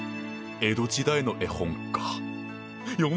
江戸時代の絵本かあ。